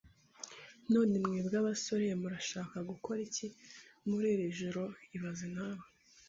None, mwebwe abasore murashaka gukora iki muri iri joro ibaze nawe